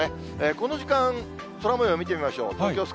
この時間、空もよう見てみましょう。